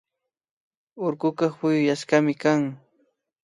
Urkuka puyuyashkami kan